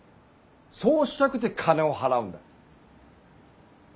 そうしたくて金を払うんだ。